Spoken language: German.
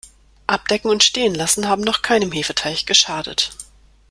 Abdecken und stehen lassen haben noch keinem Hefeteig geschadet.